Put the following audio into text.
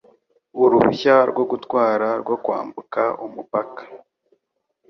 uruhushya rwo gutwara rwo kwambuka umupaka.